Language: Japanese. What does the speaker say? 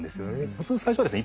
普通最初はですね